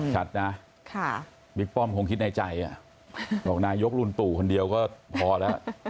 ชัดนะบิ๊กป้อมคงคิดในใจบอกนายกลุงตู่คนเดียวก็พอแล้ว